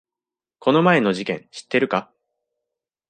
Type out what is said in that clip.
この前の事件知ってるか？